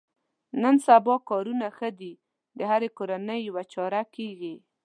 نن سبا کارونه ښه دي د هرې کورنۍ یوه چاره کېږي.